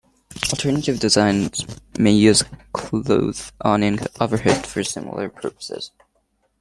Alternative designs may use a cloth awning overhead for similar purposes.